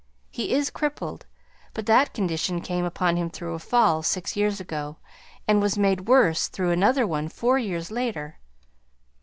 He is crippled, but that condition came upon him through a fall, six years ago, and was made worse through another one four years later.